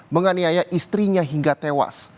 menganiaya istrinya hingga tewas